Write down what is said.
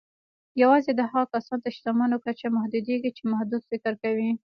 يوازې د هغو کسانو د شتمني کچه محدودېږي چې محدود فکر کوي.